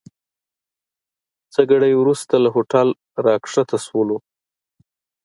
څه ګړی وروسته له هوټل راکښته سولو.